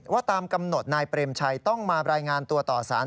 ว่าตามกำหนดนายเปรมชัยต้องมารายงานตัวต่อสาร